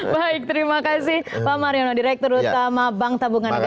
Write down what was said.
baik terima kasih pak mariono direktur utama bank tabungan negara